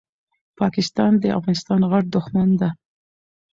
پاکستان دي افغانستان غټ دښمن ده